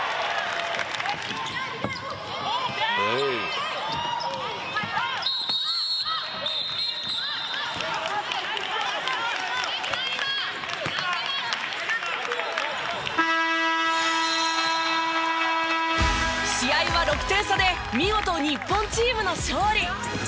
「ヘイ」試合は６点差で見事日本チームの勝利。